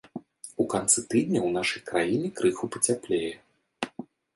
У канцы тыдня ў нашай краіне крыху пацяплее.